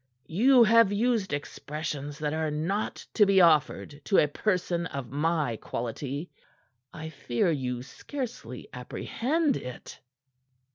You have used expressions that are not to be offered to a person of my quality. I fear you scarcely apprehend it."